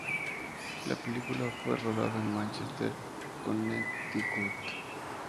La película fue rodada en Manchester, Connecticut.